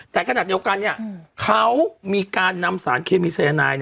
แต่ขนาดวิธีที่นี่เขามีการนำสารเคมีสัยนาย